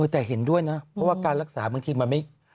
แต่เห็นด้วยนะเพราะว่าการรักษาบางทีมันไม่